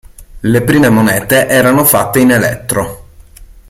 Le prime monete erano fatte in elettro.